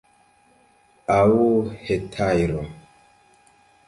Aŭ hetajro!